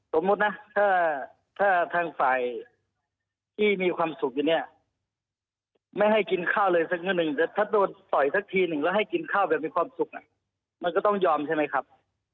สมมุตินะถ้าทางฝ่ายที่มีความสุขอยู่เนี่ยไม่ให้กินข้าวเลยสักหนึ่งแต่ถ้าโดนต่อยสักทีหนึ่งแล้วให้กินข้าวแบบมีความสุขมันก็ต้องยอมใช่ไหมครับ